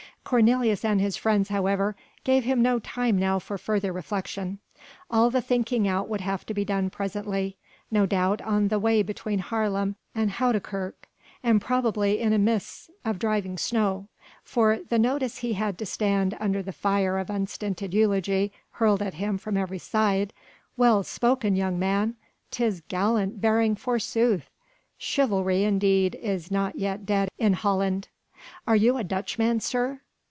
Cornelius and his friends, however, gave him no time now for further reflection. All the thinking out would have to be done presently no doubt on the way between Haarlem and Houdekerk, and probably in a mist of driving snow for the nonce he had to stand under the fire of unstinted eulogy hurled at him from every side. "Well spoken, young man!" "'Tis gallant bearing forsooth!" "Chivalry, indeed, is not yet dead in Holland." "Are you a Dutchman, sir?"